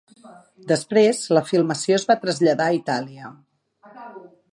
Després, la filmació es va traslladar a Itàlia.